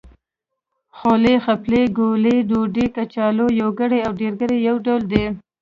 خولۍ، څپلۍ، ګولۍ، ډوډۍ، کچالو... يوګړی او ډېرګړي يو ډول دی.